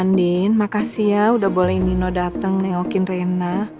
andin makasih ya udah boleh nino datang nengokin rena